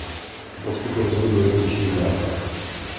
O postupu rozhodl dodatečný zápas.